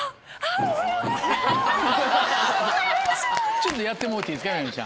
ちょっとやってもろうていいですか？